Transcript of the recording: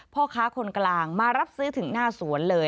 พ่อค้าคนกลางมารับซื้อถึงหน้าสวนเลย